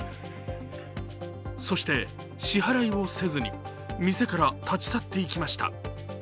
そして支払いをせずに店から立ち去っていきました。